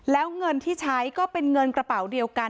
แล้วเงินที่ใช้ก็เป็นเงินกระเป๋าเดียวกัน